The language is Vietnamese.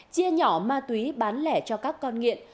chia nhỏ ma túy bán lẻ cho các con nghiện